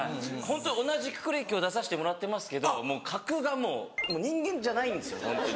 同じくくりで今日出さしてもらってますけど格がもう人間じゃないんですよホントに。